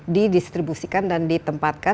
didistribusikan dan ditempatkan